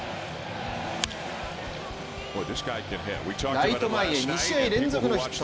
ライト前へ２試合連続のヒット。